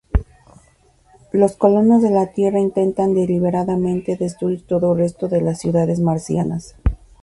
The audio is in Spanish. Los colonos de la Tierra intentan deliberadamente destruir todo resto de las ciudades marcianas.